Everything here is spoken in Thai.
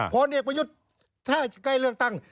พลเอกประยุทธ์ถ้าใกล้เลือกตั้ง